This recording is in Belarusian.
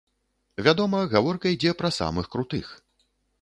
Вядома, гаворка ідзе пра самых крутых.